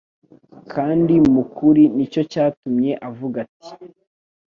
kandi mu kuri Nicyo cyatumye avuga ati :